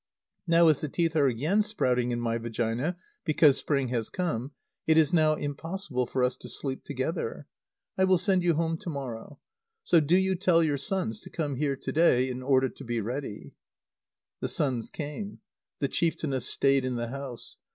Now, as the teeth are again sprouting in my vagina because spring has come, it is now impossible for us to sleep together. I will send you home to morrow. So do you tell your sons to come here to day in order to be ready." The sons came. The chieftainess stayed in the house.